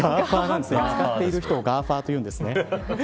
使ってる人をガーファ―と言うんですね。